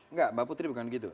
enggak mbak putri bukan gitu